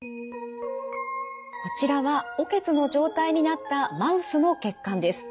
こちらは血の状態になったマウスの血管です。